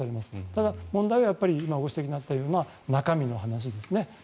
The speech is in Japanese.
ただ、問題は今ご指摘のあったような中身の話ですね。